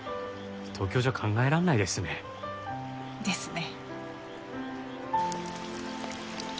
東京じゃ考えられないですね。ですね。